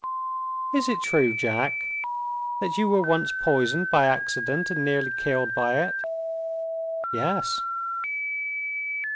"Is it true, Jack, that you were once poisoned by accident, and nearly killed by it?" "Yes!"